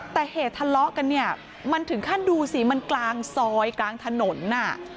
แต่เหตุทะเลาะกันเนี่ยมันถึงขั้นดูสิมันกลางซอยกลางถนนน่ะ